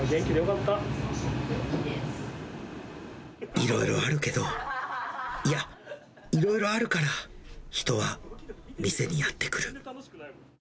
いろいろあるけど、いや、いろいろあるから、人は店にやって来る。